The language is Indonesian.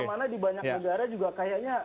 di mana mana di banyak negara juga kayaknya